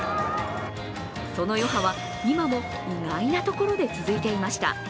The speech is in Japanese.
その余波は今も、意外なところで続いていました。